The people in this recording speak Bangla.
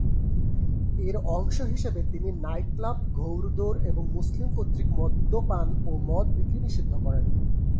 এর অংশ হিসেবে তিনি নাইটক্লাব, ঘৌড়দৌড় এবং মুসলিম কর্তৃক মদ্যপান ও মদ বিক্রি নিষিদ্ধ করেন।